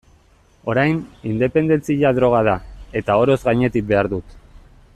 Orain, independentzia droga da, eta oroz gainetik behar dut.